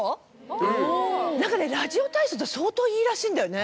何かねラジオ体操って相当いいらしいんだよね。